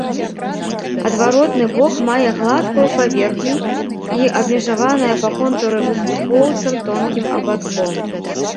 Адваротны бок мае гладкую паверхню і абмежаваная па контуры выступоўцам тонкім абадком.